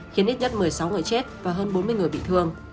khiến ít nhất một mươi sáu người chết và hơn bốn mươi người bị thương